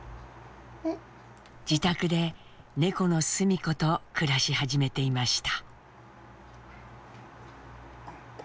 自宅で猫のすみ子と暮らし始めていました。